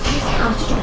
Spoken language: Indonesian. lu disini sih